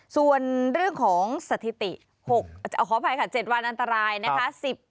ส่วนเรื่องของสถิติ๖ขออภัยค่ะ๗วันอันตรายนะคะ